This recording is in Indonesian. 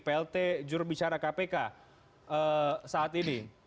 plt jurubicara kpk saat ini